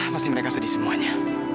pasti mereka sedih semuanya